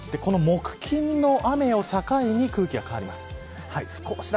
木曜日、金曜日の雨を境に空気が変わります。